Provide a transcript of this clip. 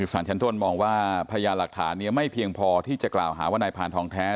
สารชั้นต้นมองว่าพยานหลักฐานไม่เพียงพอที่จะกล่าวหาว่านายพานทองแท้